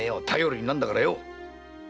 頼りになんだからよ。